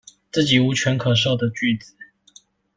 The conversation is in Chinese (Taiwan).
自己無權可授的句子